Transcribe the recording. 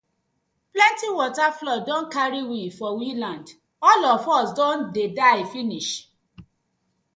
Plenti wata flood don karry we for we land, all of us don dey die finish.